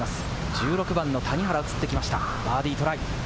１６番の谷原がうつってきました、バーディートライ。